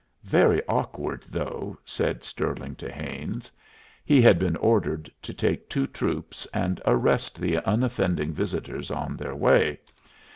"Very awkward, though," said Stirling to Haines. He had been ordered to take two troops and arrest the unoffending visitors on their way.